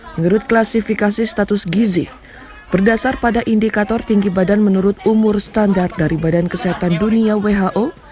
menurut klasifikasi status gizi berdasar pada indikator tinggi badan menurut umur standar dari badan kesehatan dunia who